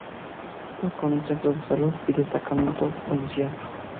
Cuenta con un centro de salud y destacamento policial.